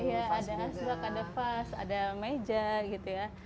iya ada asbak ada vas ada meja gitu ya